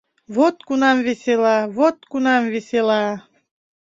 Вот кунам весела, вот кунам весела -